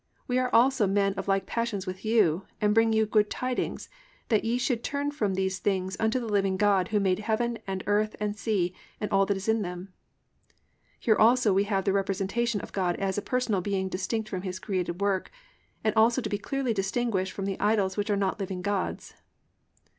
We also are men of like passions with you, and bring you good tidings, that ye should turn from these things unto the living God, who made heaven and earth and sea, and all that in them is."+ Here also we have the representation of God as a personal being distinct from His created work, and also to be clearly distinguished from the idols which are not living gods.